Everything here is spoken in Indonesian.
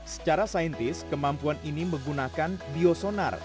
secara saintis kemampuan ini menggunakan biosonar